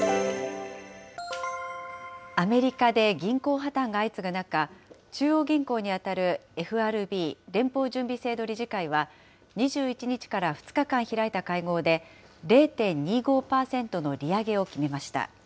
アメリカで銀行破綻が相次ぐ中、中央銀行に当たるＦＲＢ・連邦準備制度理事会は、２１日から２日間開いた会合で、０．２５％の利上げを決めました。